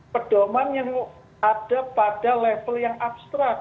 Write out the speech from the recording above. pedoman yang ada pada level yang abstrak